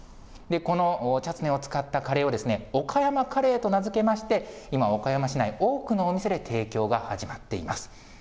このチャツネを使ったカレーを岡山カレーと名付けまして、今、岡山市内、多くのお店で提供が始まっています。